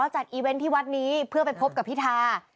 จัดอีเวนต์ที่วัดนี้เพื่อไปพบกับพิธา